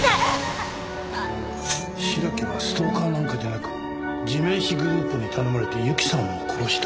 白木はストーカーなんかじゃなく地面師グループに頼まれてゆきさんを殺した？